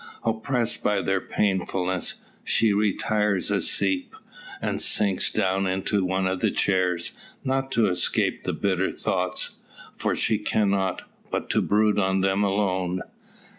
Oppressed by their painfulness, she retires a seep, and sinks down into one of the chairs; not to escape the bitter thoughts for she cannot but to brood on them alone.